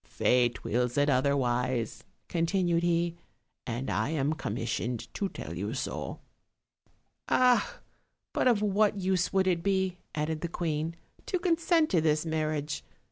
"Fate wills it otherwise," continued he, "and I am commissioned to tell you so." "Ah! but of what use would it be," added the queen, "to consent to this marriage?